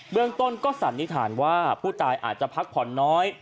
เรื่องต้นก็สันนิษฐานว่าผู้ตายอาจจะพักผ่อนน้อย